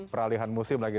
peralihan musim lagi